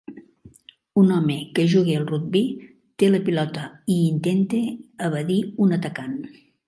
Un home que juga al rugbi té la pilota i intenta evadir un atacant.